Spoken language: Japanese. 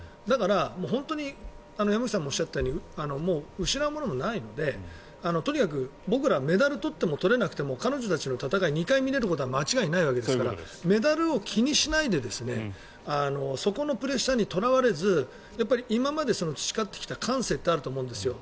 だから本当に山口さんもおっしゃったようにもう失うものはないのでとにかく僕らはメダルを取っても取れなくても彼女たちの戦いを２回見れることは間違いないわけですからメダルを気にしないでそこのプレッシャーにとらわれず今まで培ってきた感性ってあると思うんです。